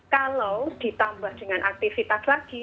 kalau ditambah dengan aktivitas lagi